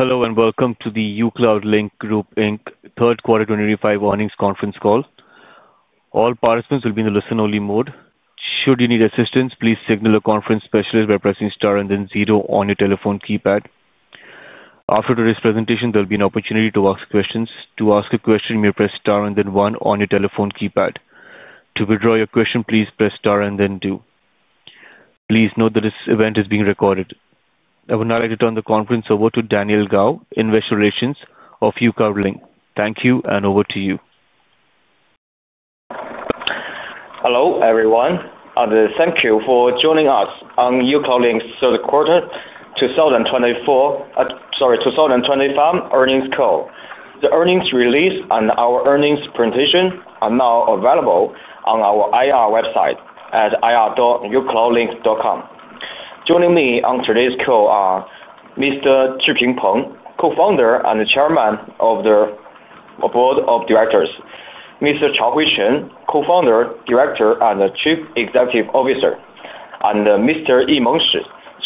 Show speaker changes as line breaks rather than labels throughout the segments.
Hello and welcome to the uCloudlink Group Third Quarter 2025 Earnings Conference Call. All participants will be in a listen-only mode. Should you need assistance, please signal a conference specialist by pressing star and then zero on your telephone keypad. After today's presentation, there'll be an opportunity to ask questions. To ask a question, you may press star and then one on your telephone keypad. To withdraw your question, please press star and then two. Please note that this event is being recorded. I would now like to turn the conference over to Daniel Gao in Investor Relations of uCloudlink. Thank you, and over to you.
Hello everyone. I'd like to thank you for joining us on uCloudlink's Third Quarter 2024, sorry, 2025 earnings call. The earnings release and our earnings presentation are now available on our IR website at ir.ucloudlink.com. Joining me on today's call are Mr. Chu Jingpeng, co-founder and chairman of the board of directors; Mr. Chaohui Chen, co-founder, director, and Chief Executive Officer; and Mr. Yimeng Shi,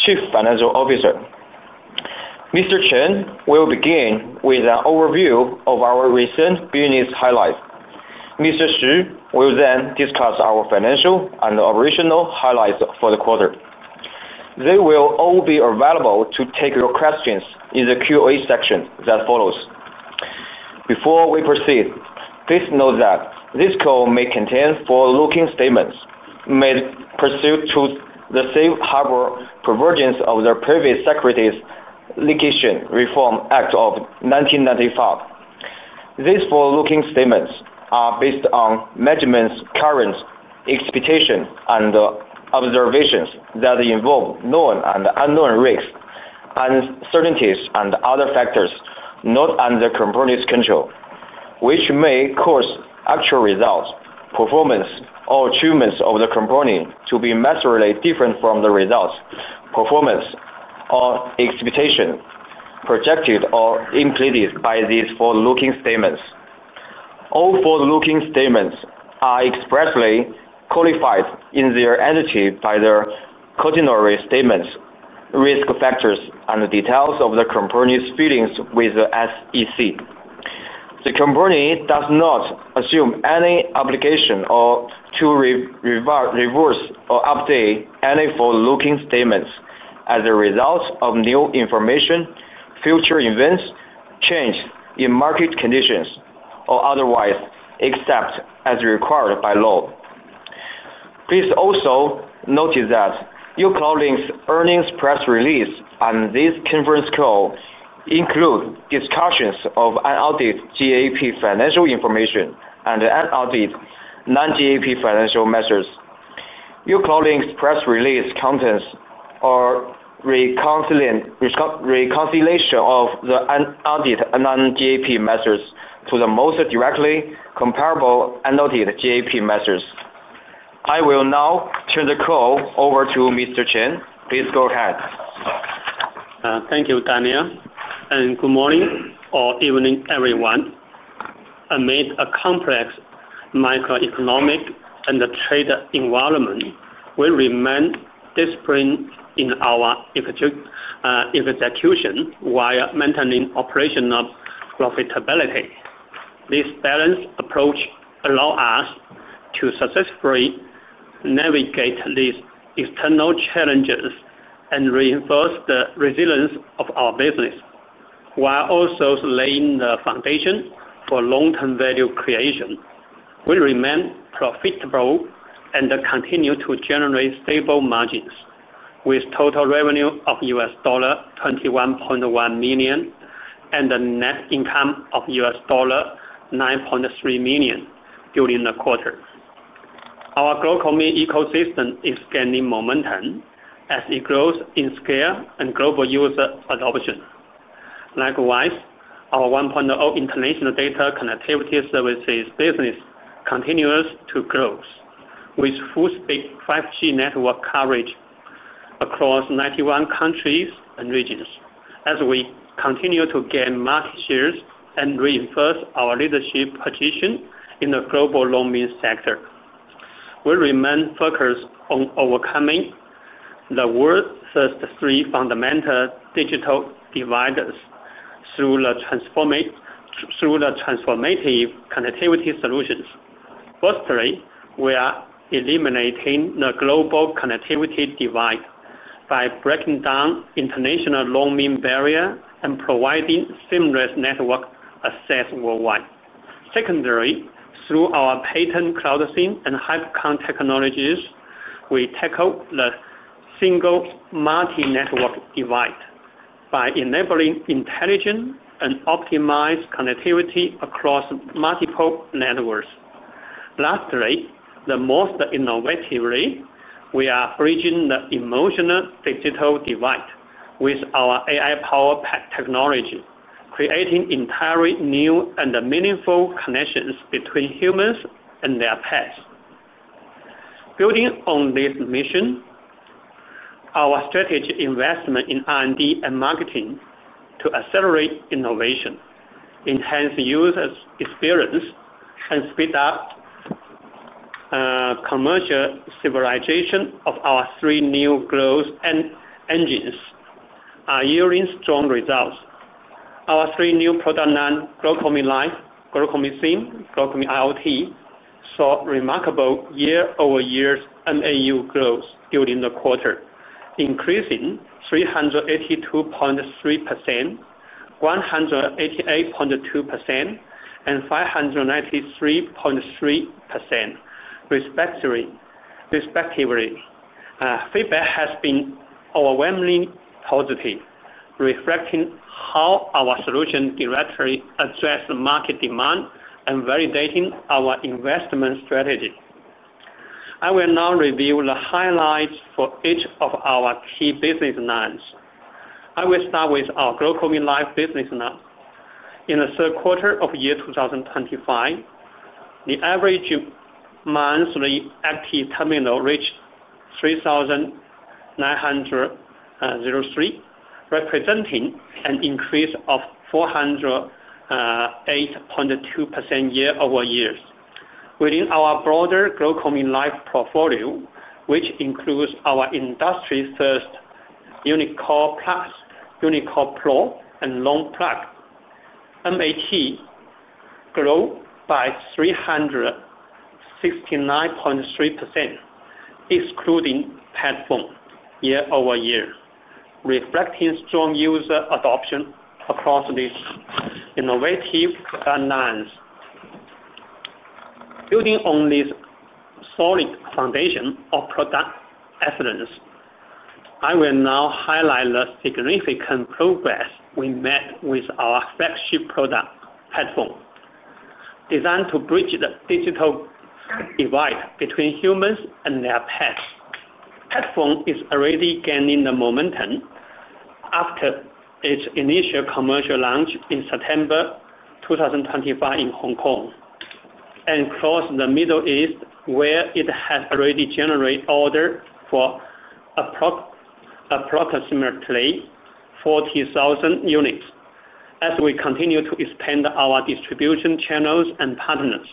Chief Financial Officer. Mr. Chen will begin with an overview of our recent business highlights. Mr. Shi will then discuss our financial and operational highlights for the quarter. They will all be available to take your questions in the Q&A section that follows. Before we proceed, please note that this call may contain forward-looking statements made pursuant to the safe harbor provision of the Private Securities Litigation Reform Act of 1995. These forward-looking statements are based on measurements, current expectations, and observations that involve known and unknown risks, uncertainties, and other factors not under company control, which may cause actual results, performance, or achievements of the company to be materially different from the results, performance, or expectations projected or included by these forward-looking statements. All forward-looking statements are expressly qualified in their entirety by their cautionary risk statements, risk factors, and details of the company's filings with the SEC. The company does not assume any obligation to revise or update any forward-looking statements as a result of new information, future events, changes in market conditions, or otherwise except as required by law. Please also note that uCloudlink's earnings press release and this conference call include discussions of unaudited GAAP financial information and unaudited non-GAAP financial measures. uCloudlink's press release contents are reconciliation of the unaudited and non-GAAP measures to the most directly comparable unaudited GAAP measures. I will now turn the call over to Mr. Chen. Please go ahead.
Thank you, Daniel. Good morning or evening, everyone. Amid a complex macroeconomic and trade environment, we remain disciplined in our execution while maintaining operational profitability. This balanced approach allows us to successfully navigate these external challenges and reinforce the resilience of our business. While also laying the foundation for long-term value creation, we remain profitable and continue to generate stable margins, with total revenue of $21.1 million and net income of $9.3 million during the quarter. Our global ecosystem is gaining momentum as it grows in scale and global user adoption. Likewise, our 1.0 international data connectivity services business continues to grow, with full-speed 5G network coverage across 91 countries and regions. As we continue to gain market shares and reinforce our leadership position in the global GlocalMe sector, we remain focused on overcoming the world's three fundamental digital dividers through transformative connectivity solutions. Firstly, we are eliminating the global connectivity divide by breaking down the international roaming barrier and providing seamless network access worldwide. Secondly, through our patent cloud sync and HyperConn technologies, we tackle the single multi-network divide by enabling intelligent and optimized connectivity across multiple networks. Lastly, most innovatively, we are bridging the emotional digital divide with our AI-powered technology, creating entirely new and meaningful connections between humans and their pets. Building on this mission, our strategy invests in R&D and marketing to accelerate innovation, enhance users' experience, and speed up commercialization of our three new growth engines, yielding strong results. Our three new product lines, GlocalMe LINE, GlocalMe SIM, and GlocalMe IoT, saw remarkable year-over-year MAU growth during the quarter, increasing 382.3%, 188.2%, and 593.3%, respectively. Feedback has been overwhelmingly positive, reflecting how our solution directly addresses market demand and validates our investment strategy. I will now reveal the highlights for each of our key business lines. I will start with our GlocalMe LINE business line. In the third quarter of the year 2025, the average monthly active terminal reached 3,903, representing an increase of 408.2% year-over-year. Within our broader GlocalMe LINE portfolio, which includes our industry-first Unicore Plus, Unicore Pro, and Roam Plus, MAT grew by 369.3%, excluding platform, year-over-year, reflecting strong user adoption across these innovative lines. Building on this solid foundation of product excellence, I will now highlight the significant progress we made with our flagship product, Headphone, designed to bridge the digital divide between humans and their pets. Headphone is already gaining momentum after its initial commercial launch in September 2025 in Hong Kong and across the Middle East, where it has already generated orders for approximately 40,000 units. As we continue to expand our distribution channels and partners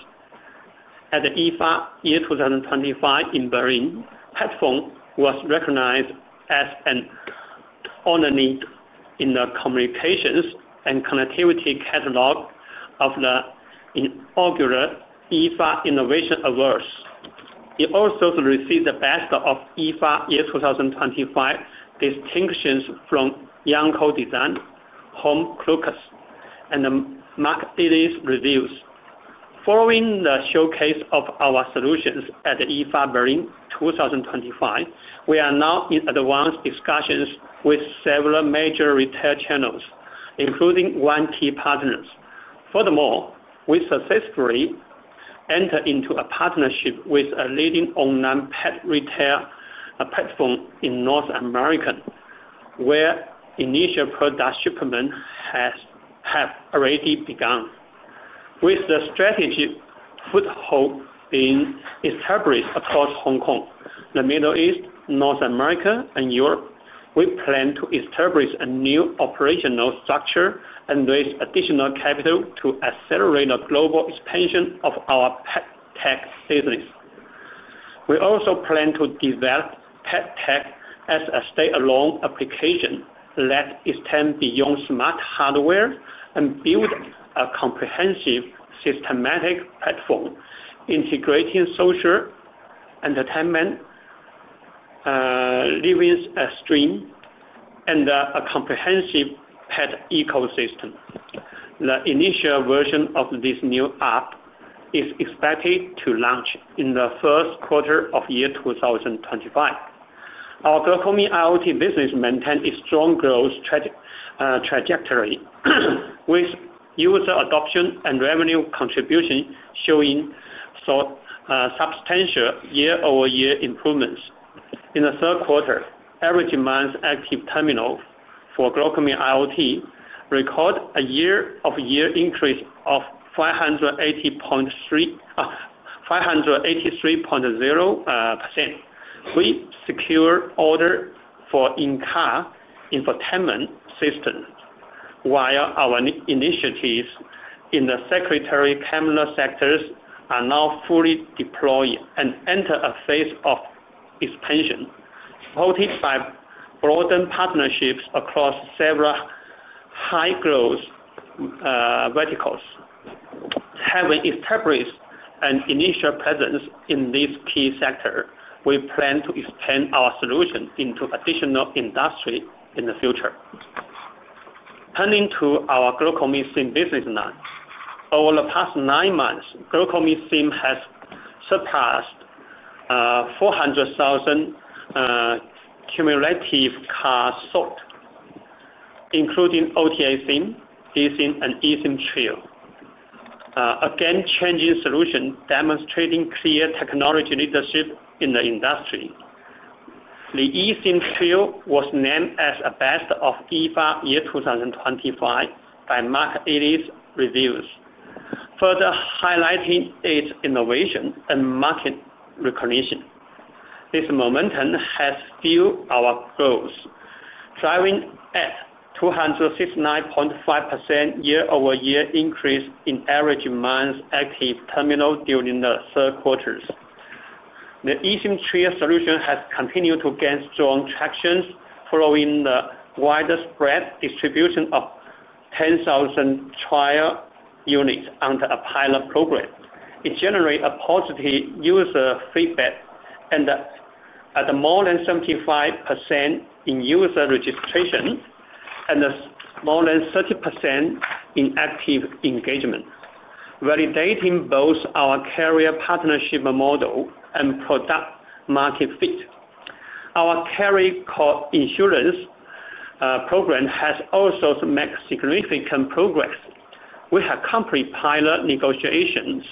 at the IFA 2025 in Berlin, Headphone was recognized as an honoree in the Communications and Connectivity Catalog of the inaugural IFA Innovation Awards. It also received the Best of IFA 2025 distinctions from Yanko Design, Home Clockers, and Marcellus Reviews. Following the showcase of our solutions at the IFA Berlin 2025, we are now in advanced discussions with several major retail channels, including one key partner. Furthermore, we successfully entered into a partnership with a leading online pet retail platform in North America, where initial product shipment has already begun. With the strategy foothold being established across Hong Kong, the Middle East, North America, and Europe, we plan to establish a new operational structure and raise additional capital to accelerate the global expansion of our pet tech business. We also plan to develop pet tech as a standalone application that extends beyond smart hardware and builds a comprehensive systematic platform integrating social entertainment, living stream, and a comprehensive pet ecosystem. The initial version of this new app is expected to launch in the first quarter of year 2025. Our GlocalMe IoT business maintains a strong growth trajectory, with user adoption and revenue contribution showing substantial year-over-year improvements. In the third quarter, average monthly active terminals for GlocalMe IoT recorded a year-over-year increase of 583.0%. We secure orders for in-car infotainment systems, while our initiatives in the secretary-camera sectors are now fully deployed and enter a phase of expansion, supported by broadened partnerships across several high-growth verticals. Having established an initial presence in this key sector, we plan to expand our solution into additional industries in the future. Turning to our GlocalMe SIM business line, over the past nine months, GlocalMe SIM has surpassed 400,000 cumulative cars sold, including OTA SIM, eSIM, and eSIM Trio, a game-changing solution demonstrating clear technology leadership in the industry. The eSIM Trio was named as a Best of IFA year 2025 by Marcellus Reviews, further highlighting its innovation and market recognition. This momentum has fueled our growth, driving a 269.5% year-over-year increase in average monthly active terminal during the third quarter. The eSIM Trio solution has continued to gain strong traction following the widespread distribution of 10,000 trial units under a pilot program. It generated positive user feedback at more than 75% in user registration and more than 30% in active engagement, validating both our carrier partnership model and product-market fit. Our carrier insurance program has also made significant progress. We have completed pilot negotiations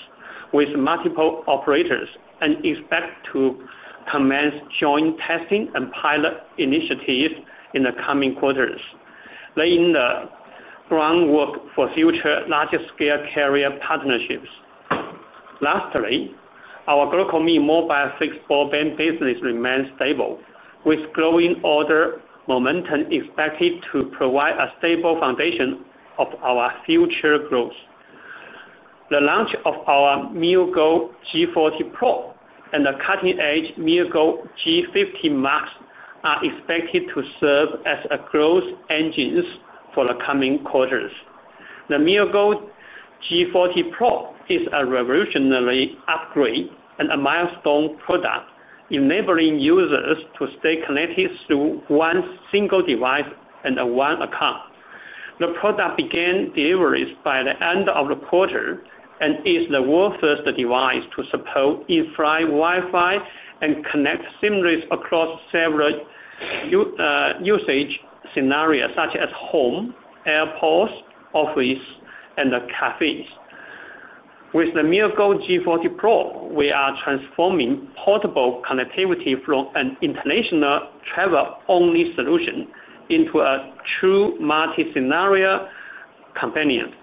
with multiple operators and expect to commence joint testing and pilot initiatives in the coming quarters, laying the groundwork for future larger-scale carrier partnerships. Lastly, our GlocalMe mobile fixed broadband business remains stable, with growing order momentum expected to provide a stable foundation for our future growth. The launch of our MeowGo G40 Pro and the cutting-edge MeowGo G50 Max are expected to serve as growth engines for the coming quarters. The MeowGo G40 Pro is a revolutionary upgrade and a milestone product, enabling users to stay connected through one single device and one account. The product began deliveries by the end of the quarter and is the world's first device to support in-fly Wi-Fi and connects seamlessly across several usage scenarios, such as home, airports, offices, and cafes. With the MeowGo G40 Pro, we are transforming portable connectivity from an international travel-only solution into a true multi-scenario companion.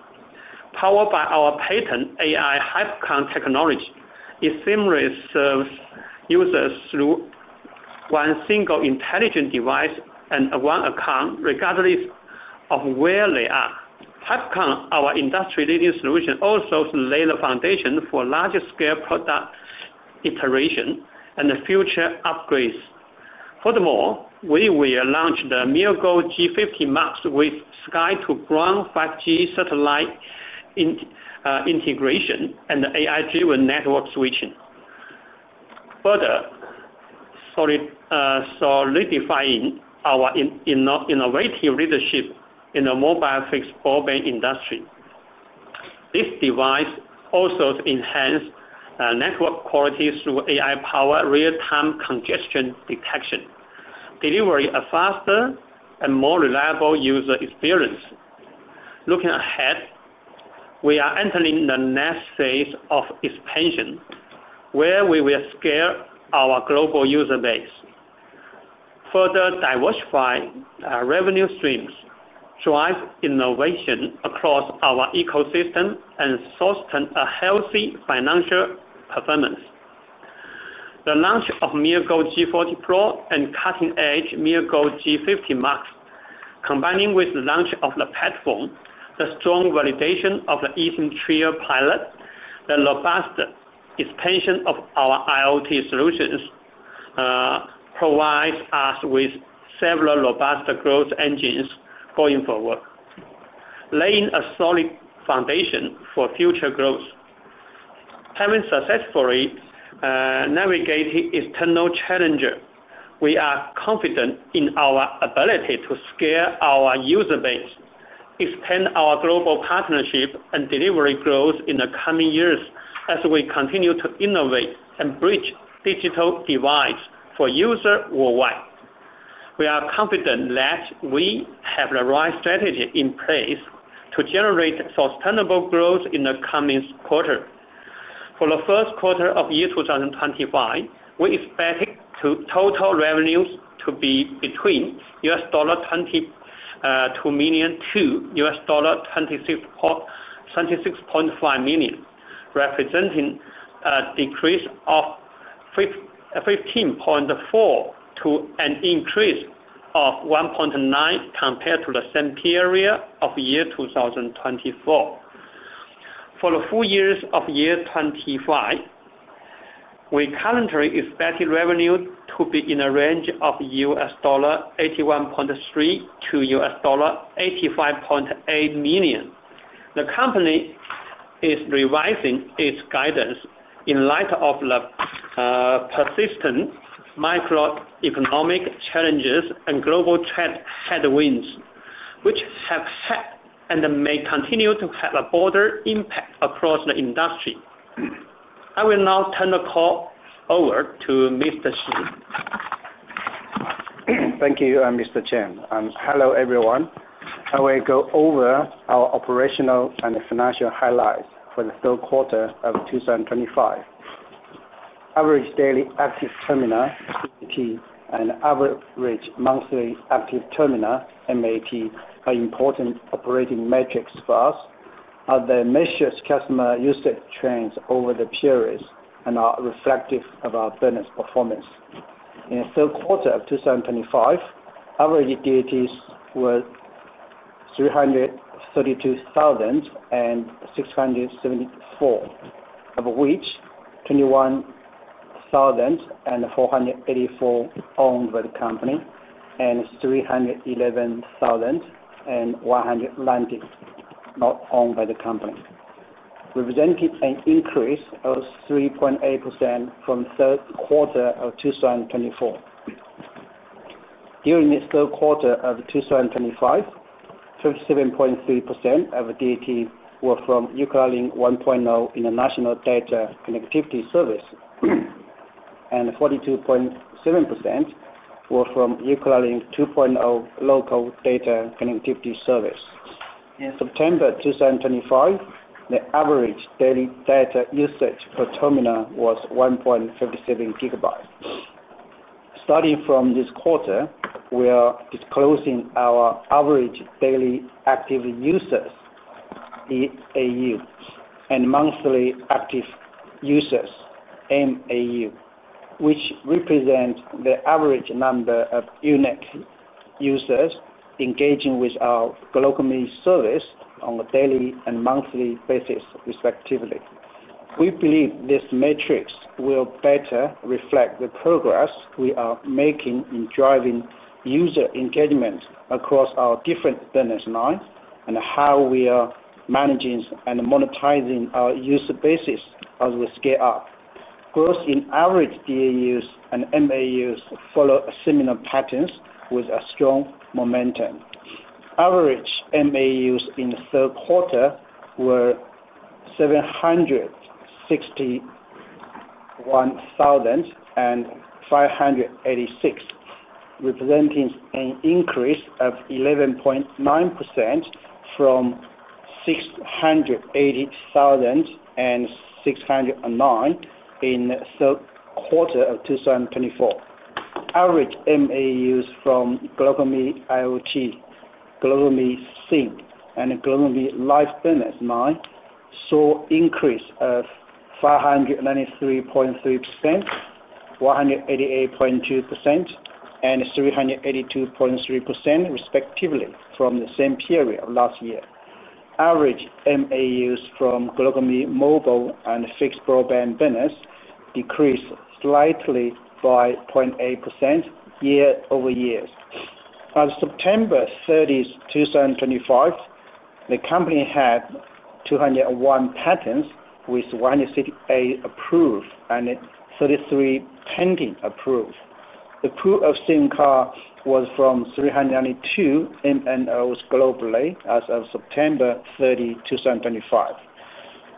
Powered by our patent AI hypercon technology, it seamlessly serves users through one single intelligent device and one account, regardless of where they are. Hypercon, our industry-leading solution, also lays the foundation for larger-scale product iterations and future upgrades. Furthermore, we will launch the MeowGo G50 Max with Sky-to-Ground 5G satellite integration and AI-driven network switching, further solidifying our innovative leadership in the mobile fixed broadband industry. This device also enhances network quality through AI-powered real-time congestion detection, delivering a faster and more reliable user experience. Looking ahead, we are entering the next phase of expansion, where we will scale our global user base, further diversify revenue streams, drive innovation across our ecosystem, and sustain a healthy financial performance. The launch of MeowGo G40 Pro and cutting-edge MeowGo G50 Max, combined with the launch of the platform, the strong validation of the eSIM Trio pilot, and the robust expansion of our IoT solutions, provide us with several robust growth engines going forward, laying a solid foundation for future growth. Having successfully navigated external challenges, we are confident in our ability to scale our user base, expand our global partnership, and deliver growth in the coming years as we continue to innovate and bridge digital divides for users worldwide. We are confident that we have the right strategy in place to generate sustainable growth in the coming quarter. For the first quarter of year 2025, we expect total revenues to be between $22 million-$26.5 million, representing a decrease of 15.4% to an increase of 1.9% compared to the same period of year 2024. For the full years of year 2025, we currently expect revenues to be in the range of $81.3 million-$85.8 million. The company is revising its guidance in light of the persistent macroeconomic challenges and global trend headwinds, which have had and may continue to have a broader impact across the industry. I will now turn the call over to Mr. Shi.
Thank you, Mr. Chen. Hello, everyone. I will go over our operational and financial highlights for the Third Quarter of 2025. Average daily active terminal (DAT) and average monthly active terminal (MAT) are important operating metrics for us. Our measures capture usage trends over the periods and are reflective of our business performance. In the third quarter of 2025, average DATs were 332,674, of which 21,484 owned by the company and 311,190 not owned by the company, representing an increase of 3.8% from the third quarter of 2024. During the third quarter of 2025, 37.3% of DATs were from uCloudlink 1.0 international data connectivity service and 42.7% were from uCloudlink 2.0 local data connectivity service. In September 2025, the average daily data usage per terminal was 1.57 GB. Starting from this quarter, we are disclosing our average daily active users (DAUs) and monthly active users (MAUs), which represent the average number of unique users engaging with our GlocalMe service on a daily and monthly basis, respectively. We believe these metrics will better reflect the progress we are making in driving user engagement across our different business lines and how we are managing and monetizing our user bases as we scale up. Growth in average DAUs and MAUs follows similar patterns with strong momentum. Average MAUs in the third quarter were 761,586, representing an increase of 11.9% from 680,609 in the third quarter of 2024. Average MAUs from GlocalMe IoT, GlocalMe SIM, and GlocalMe Life business lines saw an increase of 593.3%, 188.2%, and 382.3%, respectively, from the same period last year. Average MAUs from GlocalMe mobile and fixed broadband business decreased slightly by 0.8% year-over-year. As of September 30, 2025, the company had 201 patents with 168 approved and 33 pending approval. The pool of SIM cards was from 392 MNOs globally as of September 30, 2025.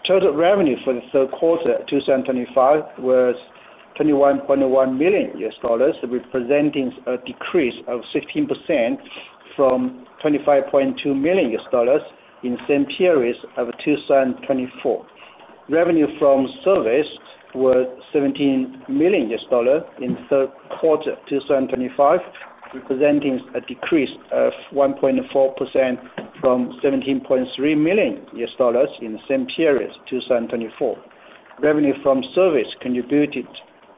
Total revenue for the third quarter of 2025 was $21.1 million, representing a decrease of 16% from $25.2 million in the same period of 2024. Revenue from service was $17 million in the third quarter of 2025, representing a decrease of 1.4% from $17.3 million in the same period of 2024. Revenue from service contributed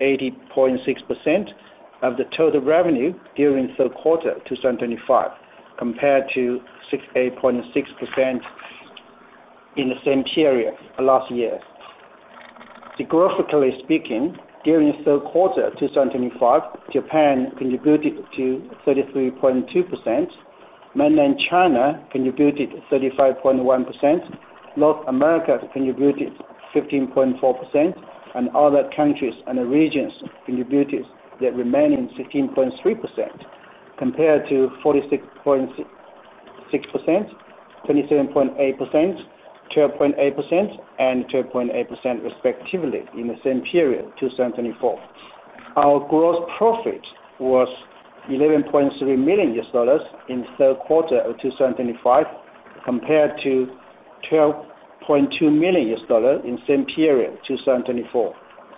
80.6% of the total revenue during the third quarter of 2025, compared to 68.6% in the same period last year. Geographically speaking, during the third quarter of 2025, Japan contributed 33.2%, Mainland China contributed 35.1%, North America contributed 15.4%, and other countries and regions contributed the remaining 16.3%, compared to 46.6%, 27.8%, 12.8%, and 12.8%, respectively, in the same period of 2024. Our gross profit was $11.3 million in the third quarter of 2025, compared to $12.2 million in the same period of 2024.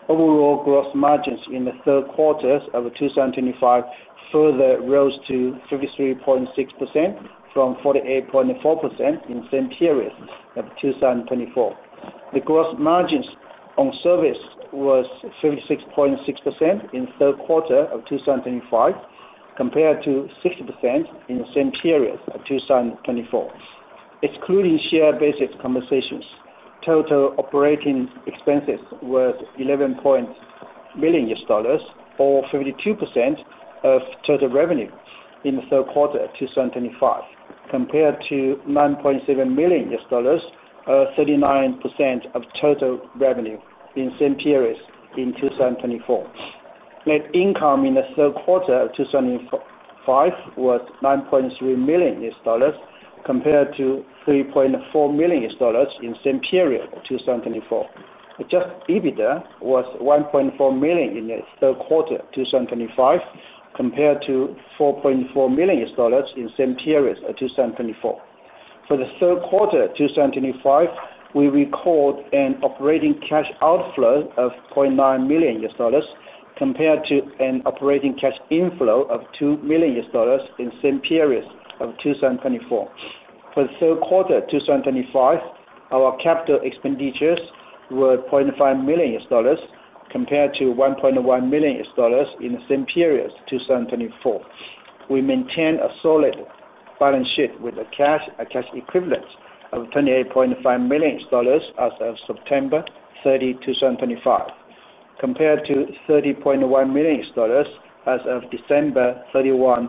Overall gross margins in the third quarter of 2025 further rose to 53.6% from 48.4% in the same period of 2024. The gross margins on service were 76.6% in the third quarter of 2025, compared to 60% in the same period of 2024. Excluding share-based conversations, total operating expenses were $11.8 million, or 52% of total revenue in the third quarter of 2025, compared to $9.7 million, or 39% of total revenue in the same period in 2024. Net income in the third quarter of 2025 was $9.3 million, compared to $3.4 million in the same period of 2024. Adjusted EBITDA was $1.4 million in the third quarter of 2025, compared to $4.4 million in the same period of 2024. For the third quarter of 2025, we recorded an operating cash outflow of $0.9 million, compared to an operating cash inflow of $2 million in the same period of 2024. For the third quarter of 2025, our capital expenditures were $0.5 million, compared to $1.1 million in the same period of 2024. We maintained a solid balance sheet with a cash and cash equivalent of $28.5 million as of September 30, 2025, compared to $30.1 million as of December 31,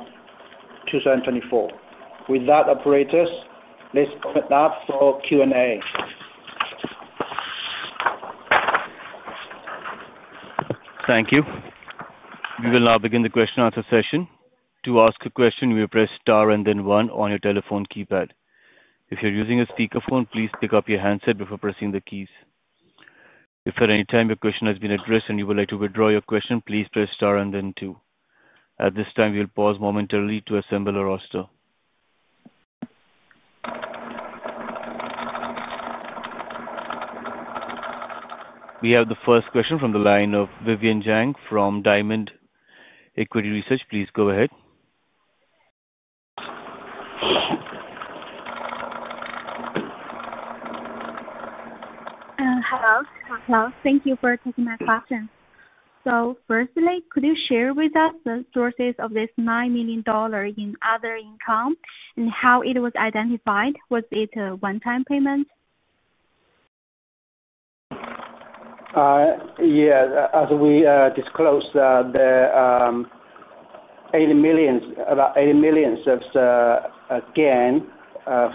2024. With that, operators, let's open it up for Q&A.
Thank you. We will now begin the question and answer session. To ask a question, you will press star and then one on your telephone keypad. If you're using a speakerphone, please pick up your handset before pressing the keys. If at any time your question has been addressed and you would like to withdraw your question, please press star and then two. At this time, we will pause momentarily to assemble a roster. We have the first question from the line of Vivian Zhang from Diamond Equity Research. Please go ahead.
Hello. Hello. Thank you for taking my question. Firstly, could you share with us the sources of this $9 million in other income and how it was identified? Was it a one-time payment?
Yes. As we disclosed, the $80 million gain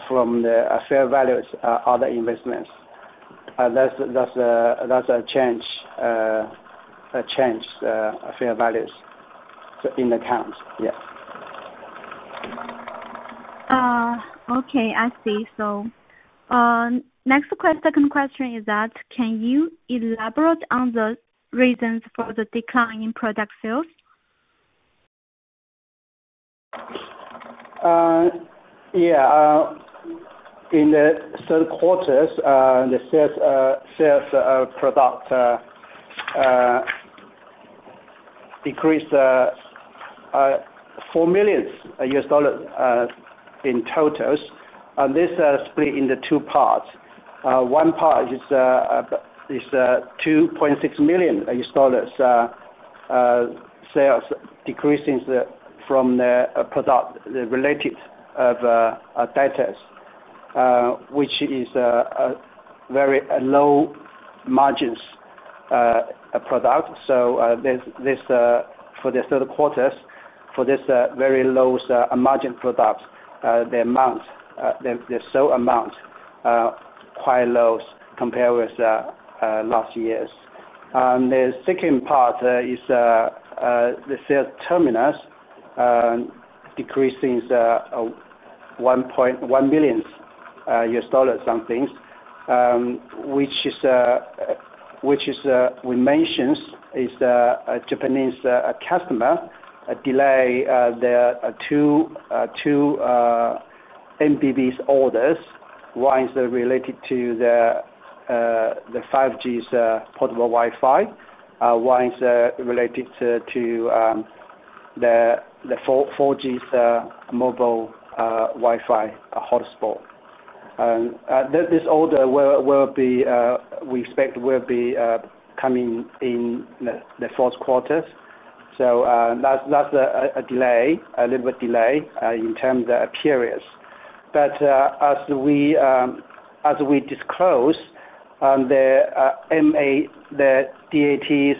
from the fair values of other investments. That is a change of fair values in the accounts. Yes.
Okay. I see. Next question, second question is that, can you elaborate on the reasons for the decline in product sales?
Yeah. In the third quarter, the sales of product decreased $4 million in total. This is split into two parts. One part is $2.6 million sales decreasing from the product-related data, which is a very low margin product. For the third quarter, for this very low margin product, the sale amount is quite low compared with last year's. The second part is the sales terminals decreasing $1.1 million something, which, as we mentioned, is a Japanese customer who delayed two MBB orders. One is related to the 5G portable Wi-Fi. One is related to the 4G mobile Wi-Fi hotspot. This order will be, we expect, will be coming in the fourth quarter. That is a delay, a little bit delay in terms of periods. As we disclose, the DATs and MATs,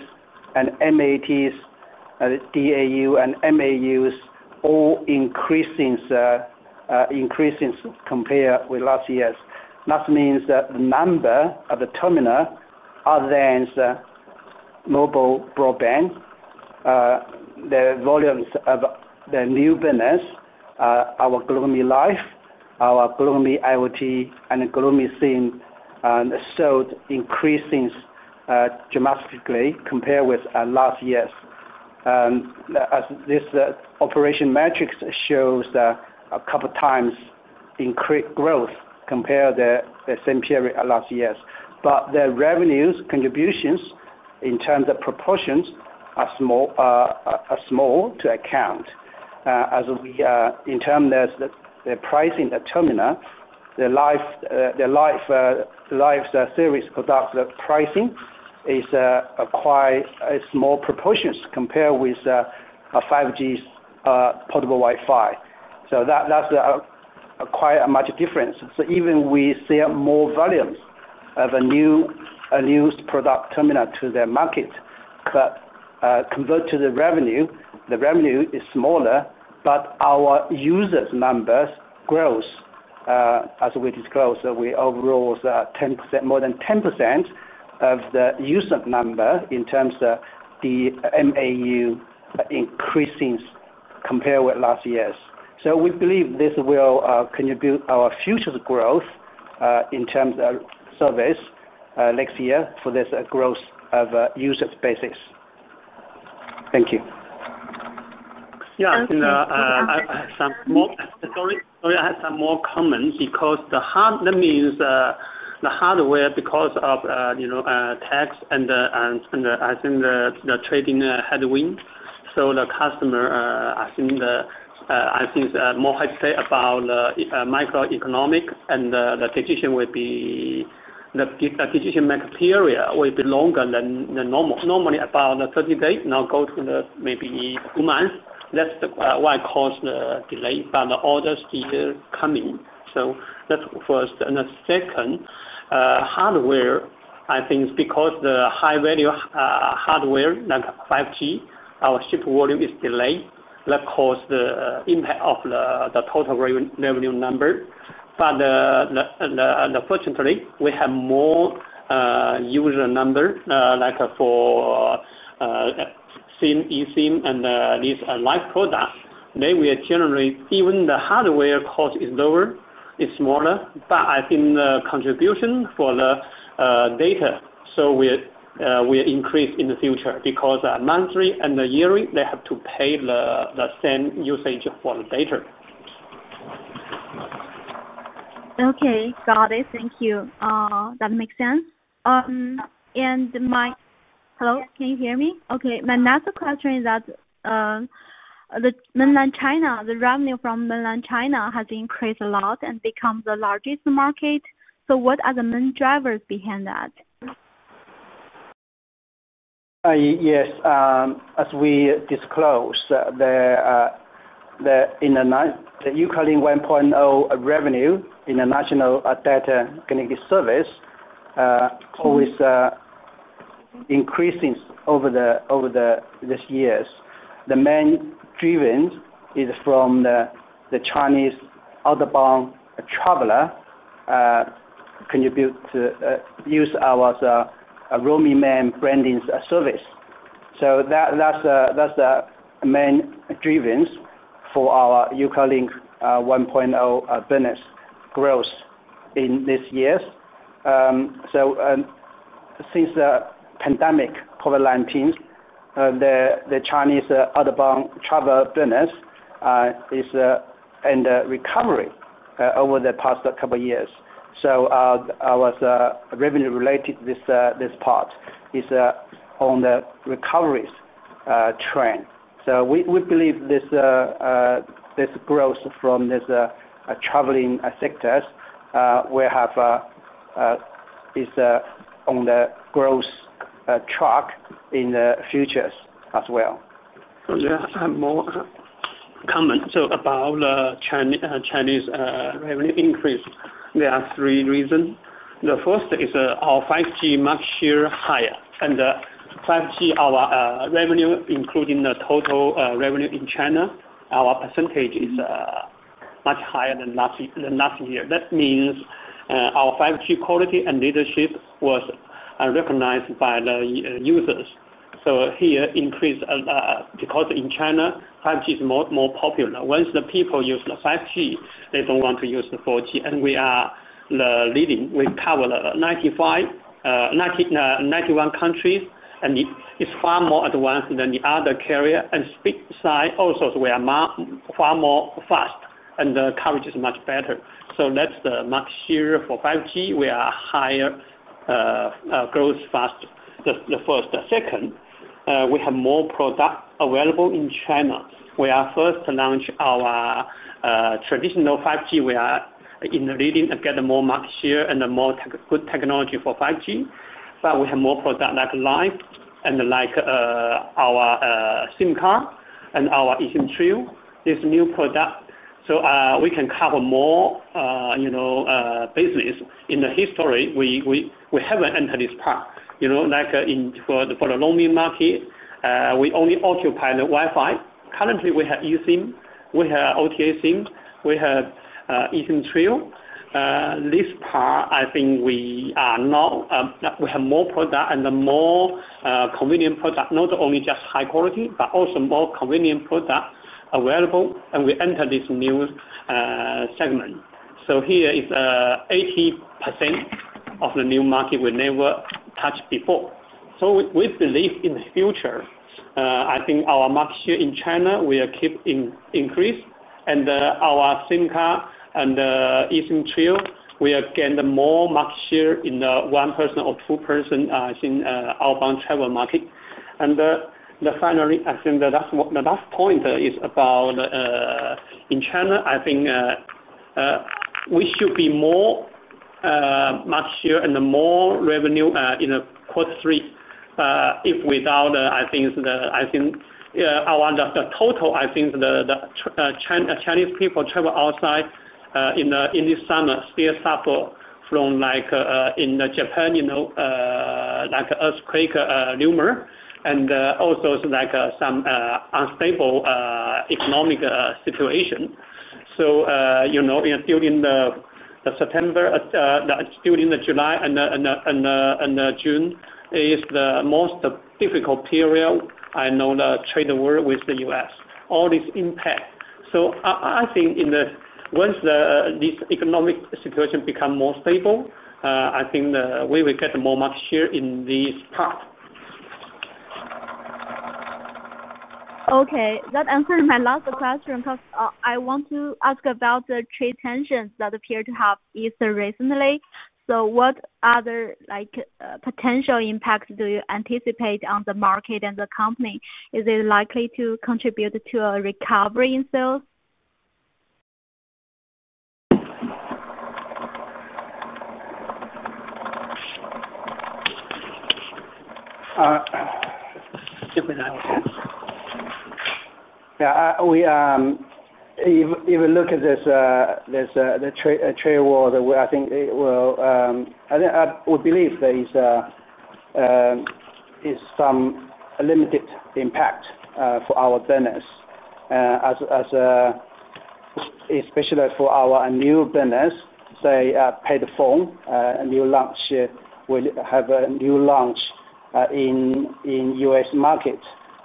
DAUs, and MAUs all increasing compared with last year. That means the number of the terminals other than mobile broadband, the volumes of the new business, our GlocalMe Life, our GlocalMe IoT, and GlocalMe SIM sold increasing dramatically compared with last year. As this operation metrics show, a couple of times increased growth compared to the same period last year. The revenue contributions in terms of proportions are small to account. As we, in terms of the pricing of terminals, the Life series product pricing is quite small proportions compared with 5G portable Wi-Fi. That is quite a much difference. Even if we see more volumes of a new product terminal to the market, when converted to the revenue, the revenue is smaller, but our user numbers grow as we disclosed. Overall, we saw more than 10% of the user number in terms of the MAU increasing compared with last year. We believe this will contribute to our future growth in terms of service next year for this growth of user basis. Thank you.
Yeah.
Sorry, I had some more comments because the hardware, because of tax and I think the trading headwind. The customer, I think, is more hesitant about the macroeconomic, and the decision will be—the decision criteria will be longer than normal. Normally, about 30 days. Now go to maybe two months. That is why it caused the delay by the orders either coming. That is first. Second, hardware, I think, is because the high-value hardware like 5G, our ship volume is delayed. That caused the impact of the total revenue number. Fortunately, we have more user numbers like for SIM, eSIM, and these live products. We are generally—even the hardware cost is lower. It is smaller. I think the contribution for the data, so we increase in the future because monthly and yearly, they have to pay the same usage for the data.
Okay. Got it. Thank you. That makes sense. My—hello? Can you hear me? Okay. My next question is that Mainland China, the revenue from Mainland China has increased a lot and become the largest market. What are the main drivers behind that?
Yes.
As we disclosed, the uCloudlink 1.0 revenue in the national data connected service always increasing over these years. The main driven is from the Chinese outbound traveler contribute to use our Roaming Man branding service. That's the main driven for our uCloudlink 1.0 business growth in these years. Since the pandemic, COVID-19, the Chinese outbound travel business is in recovery over the past couple of years. Our revenue-related this part is on the recovery trend. We believe this growth from this traveling sector we have is on the growth track in the futures as well.
Yeah. I have more comments. About the Chinese revenue increase, there are three reasons. The first is our 5G much higher. And 5G, our revenue, including the total revenue in China, our percentage is much higher than last year. That means our 5G quality and leadership was recognized by the users. Here increased because in China, 5G is more popular. Once the people use the 5G, they do not want to use the 4G. We are leading. We cover 91 countries, and it is far more advanced than the other carrier. On the speed side, also, we are far more fast, and the coverage is much better. That is much higher for 5G. We are higher growth fast. First, we have more product available in China. We are first to launch our traditional 5G. We are in the leading to get more market share and more good technology for 5G. We have more product like live and like our SIM card and our eSIM Trio, this new product. We can cover more business. In the history, we have not entered this part. For the roaming market, we only occupy the Wi-Fi. Currently, we have eSIM. We have OTA SIM. We have eSIM Trio. This part, I think we are now we have more product and more convenient product, not only just high quality, but also more convenient product available. We enter this new segment. Here is 80% of the new market we never touched before. We believe in the future, I think our market share in China will keep increasing. Our SIM card and eSIM Trio, we again more market share in the one-person or two-person outbound travel market. Finally, I think the last point is about in China, I think we should be more market share and more revenue in the quartz street. If without, I think our the total, I think the Chinese people travel outside in this summer, see a sample from like in the Japan, like earthquake rumor and also like some unstable economic situation. During the September, during the July and the June is the most difficult period. I know the trade war with the U.S. All this impact. I think once this economic situation becomes more stable, I think we will get more market share in this part.
Okay. That answers my last question because I want to ask about the trade tensions that appear to have eased recently. What other potential impacts do you anticipate on the market and the company? Is it likely to contribute to a recovery in sales?
Yeah. If we look at this trade war, I think it will, I believe there is some limited impact for our business, especially for our new business. They paid for a new launch. We have a new launch in U.S. market,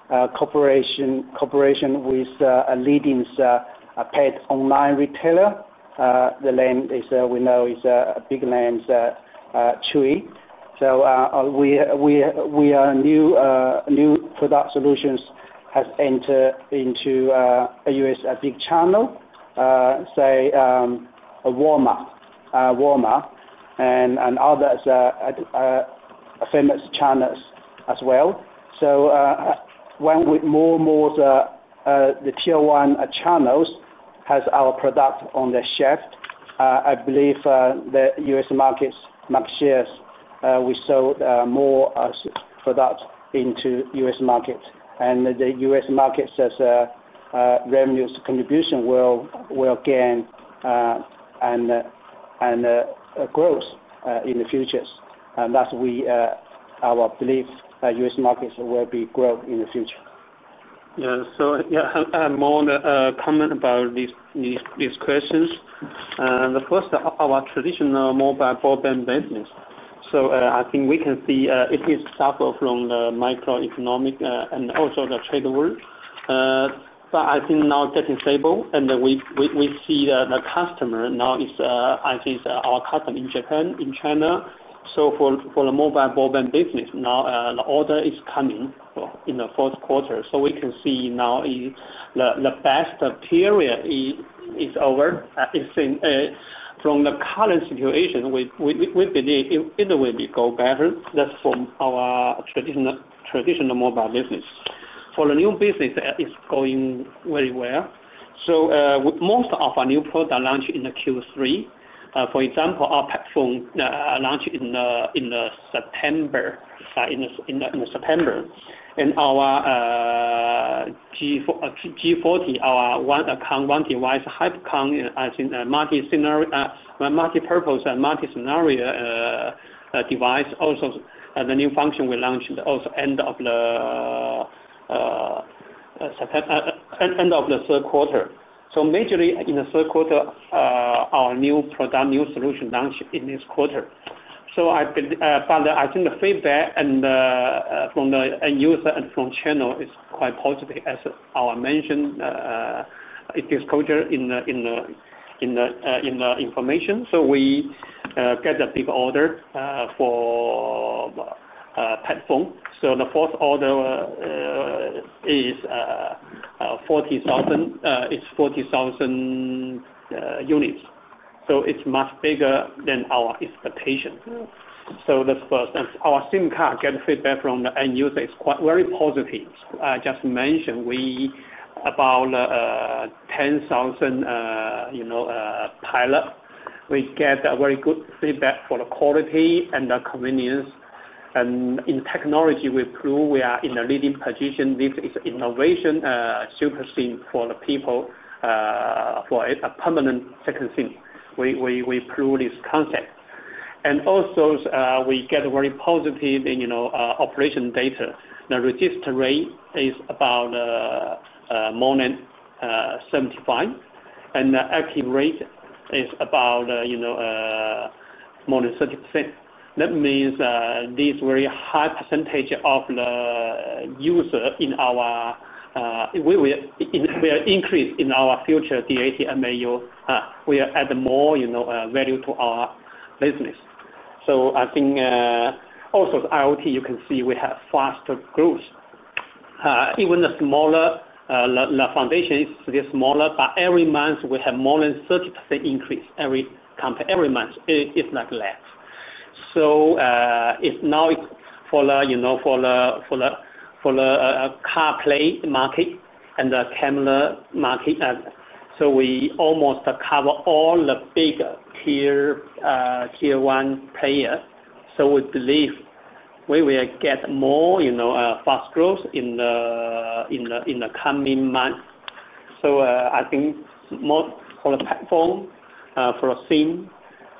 cooperation with a leading pet online retailer. The name we know is a big name, Chewy. Our new product solutions have entered into U.S. big channel, say Walmart and other famous channels as well. When we move more to the tier one channels, have our product on the shelf, I believe the U.S. market's market shares, we sold more product into U.S. market. The U.S. market's revenues contribution will gain and growth in the future. That's our belief U.S. markets will be growth in the future.
Yeah. More comment about these questions. First, our traditional mobile broadband business. I think we can see it is suffering from the microeconomic and also the trade war. I think now getting stable. We see the customer now is, I think, our customer in Japan, in China. For the mobile broadband business, now the order is coming in the fourth quarter. We can see now the best period is over. From the current situation, we believe it will go better. That is from our traditional mobile business. For the new business, it is going very well. Most of our new product launch in Q3. For example, our platform launched in September. Our G40, our one-account, one-device, hyper-account, I think, multipurpose and multi-scenario device also. The new function we launched also end of the third quarter. Majorly in the third quarter, our new product, new solution launched in this quarter. I think the feedback from the end user and from channel is quite positive as I mentioned in this quarter in the information. We get a big order for platform. The fourth order is 40,000 units. It is much bigger than our expectation. That is first. Our SIM card gets feedback from the end user that is very positive. I just mentioned we have about 10,000 pilot. We get very good feedback for the quality and the convenience. In technology, we prove we are in the leading position with its innovation super SIM for the people for a permanent second SIM. We prove this concept. Also, we get very positive operation data. The registry is about more than 75. The active rate is about more than 30%. That means this very high percentage of the user in our we will increase in our future DAT and MAU. We will add more value to our business. I think also IoT, you can see we have faster growth. Even the smaller, the foundation is smaller, by every month, we have more than 30% increase every month. It's not less. Now for the CarPlay market and the camera market, we almost cover all the big tier one players. We believe we will get more fast growth in the coming months. I think more for the platform, for the SIM,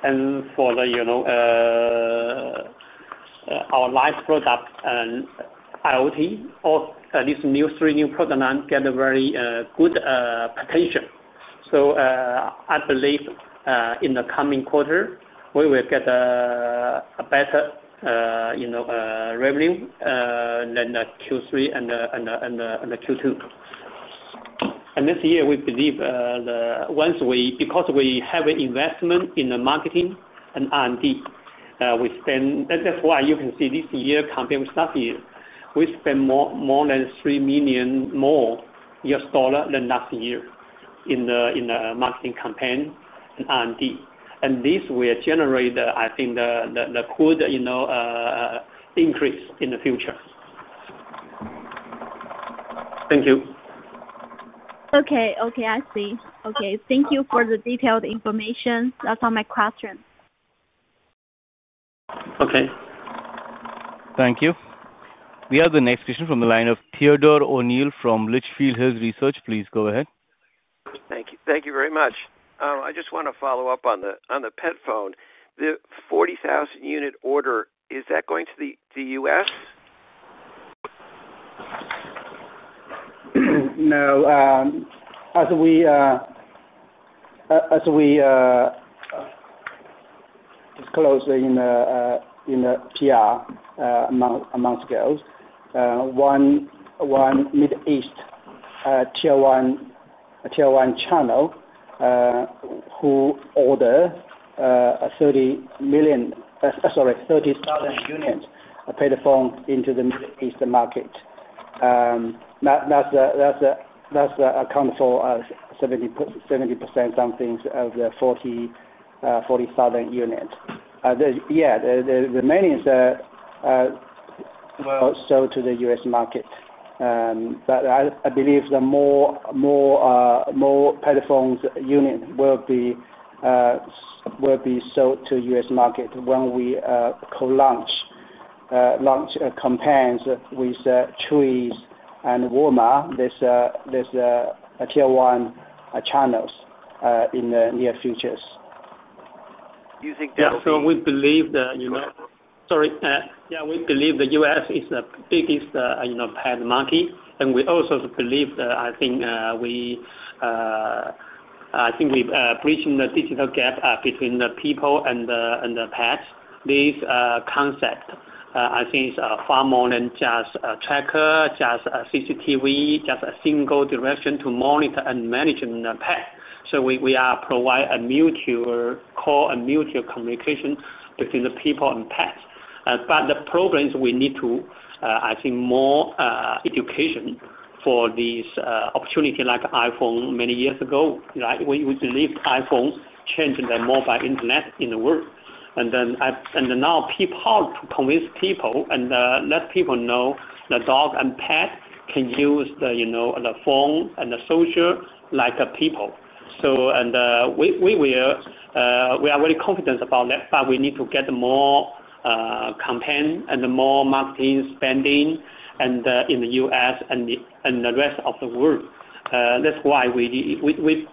and for our live product and IoT, this new three new product line get a very good potential. I believe in the coming quarter, we will get a better revenue than the Q3 and the Q2. This year, we believe because we have an investment in the marketing and R&D, we spend, and that's why you can see this year compared with last year, we spend more than $3 million more than last year in the marketing campaign and R&D. This will generate, I think, the good increase in the future. Thank you.
Okay. Okay. I see. Okay. Thank you for the detailed information. That's all my questions.
Okay.
Thank you. We have the next question from the line of Theodore O'Neill from Litchfield Hills Research. Please go ahead.
Thank you. Thank you very much. I just want to follow up on the PetPhone. The 40,000 unit order, is that going to the U.S.?
No. As we close in, the TR amount scales. One Middle East tier one channel ordered 30,000 units of PetPhone into the Middle East market. That accounts for 70% something of the 40,000 units. Yeah. The remaining will sell to the U.S. market. I believe more PetPhone units will be sold to the U.S. market when we co-launch campaigns with Chewy and Walmart, these tier one channels, in the near future.
Do you think that?
We believe that, sorry, yeah, we believe the U.S. is the biggest pet market. We also believe that, I think, we're bridging the digital gap between the people and the pets. This concept, I think, is far more than just a tracker, just a CCTV, just a single direction to monitor and manage the pet. We are providing a mutual call, a mutual communication between the people and pets. The problem is we need to, I think, more education for this opportunity like iPhone many years ago. We believe iPhone changed the mobile internet in the world. Now people have to convince people and let people know the dog and pet can use the phone and the social like people. We are very confident about that. We need to get more campaign and more marketing spending in the U.S. and the rest of the world. That is why we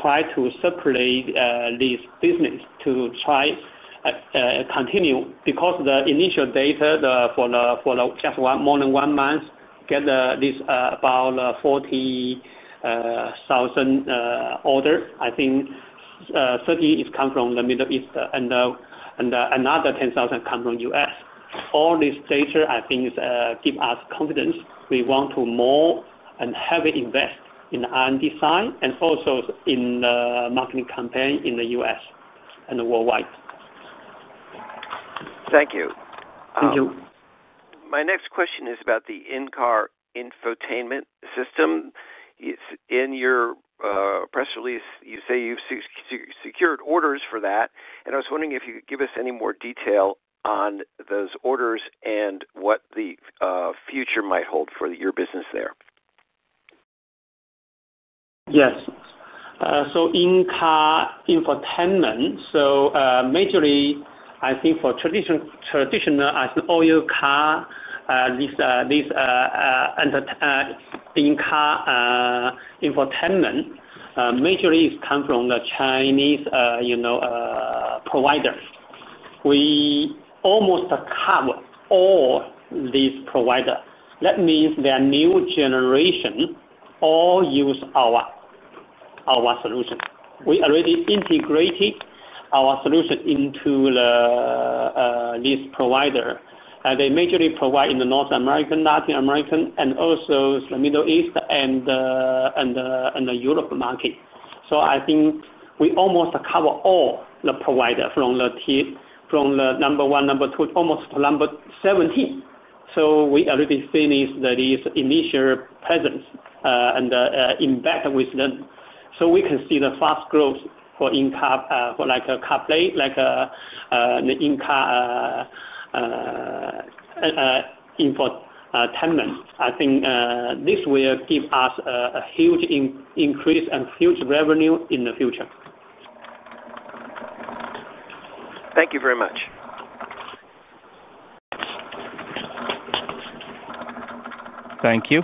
try to circulate this business to try to continue. Because the initial data for just more than one month, get about 40,000 orders. I think 30,000 is come from the Middle East and another 10,000 come from the U.S. All this data, I think, gives us confidence. We want to more and heavily invest in the R&D side and also in the marketing campaign in the U.S. and worldwide.
Thank you. My next question is about the in-car infotainment system. In your press release, you say you've secured orders for that. I was wondering if you could give us any more detail on those orders and what the future might hold for your business there.
Yes. In-car infotainment, so majorly, I think for traditional, I think all your car, this in-car infotainment, majorly comes from the Chinese providers. We almost cover all these providers. That means their new generation all use our solution. We already integrated our solution into this provider. They majorly provide in the North American, Latin American, and also the Middle East and the Europe market. I think we almost cover all the providers from the number one, number two, almost number 17. We already finished this initial presence and embedded with them. We can see the fast growth for in-car, like CarPlay, like the in-car infotainment. I think this will give us a huge increase and huge revenue in the future.
Thank you very much.
Thank you.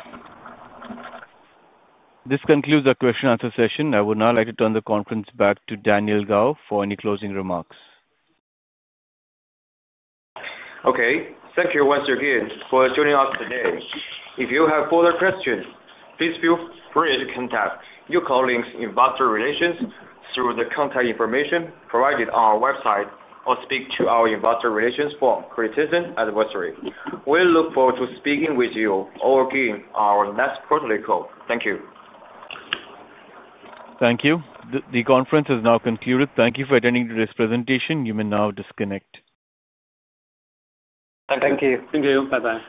This concludes our question-answer session. I would now like to turn the conference back to Daniel Gao for any closing remarks.
Okay. Thank you once again for joining us today. If you have further questions, please feel free to contact your colleagues in investor relations through the contact information provided on our website or speak to our Investor relations firm, Cristensen Advisory. We look forward to speaking with you or giving our next quarterly call. Thank you.
Thank you. The conference has now concluded. Thank you for attending today's presentation. You may now disconnect.
Thank you. Thank you. Bye-bye.